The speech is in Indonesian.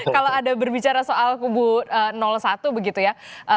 kalau ada berbicara soal kubu satu begitu ya